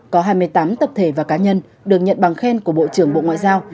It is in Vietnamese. có hai mươi tám tập thể và cá nhân được nhận bằng khen của bộ trưởng bộ ngoại giao